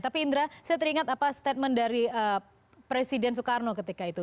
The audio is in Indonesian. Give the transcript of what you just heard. tapi indra saya teringat apa statement dari presiden soekarno ketika itu